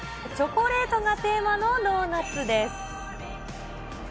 チョコレートがテーマのドーナツです。